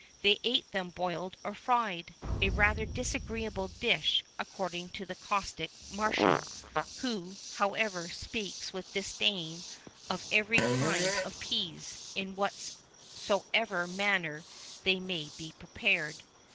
They ate them boiled or fried; a rather disagreeable dish, according to the caustic Martial,[VIII 29] who, however, speaks with disdain of every kind of peas, in whatsoever manner they may be prepared.